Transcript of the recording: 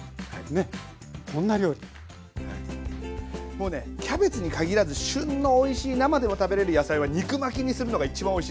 もうねキャベツにかぎらず旬のおいしい生でも食べれる野菜は肉巻きにするのが一番おいしいです。